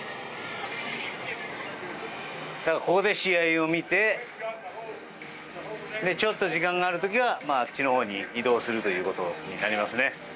ここで試合を見てちょっと時間がある時はあっちのほうに移動するということになりますね。